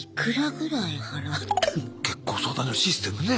結婚相談所のシステムね。